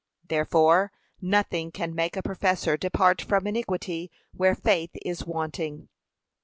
Therefore nothing can make a professor depart from iniquity where faith is wanting.